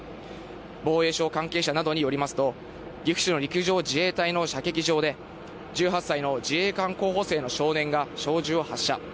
防衛省関係者などによりますと、岐阜市の陸上自衛隊の射撃場で１８歳の自衛官候補生の少年が小銃を発射。